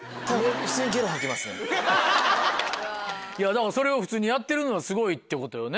だからそれを普通にやってるのはすごいってことよね。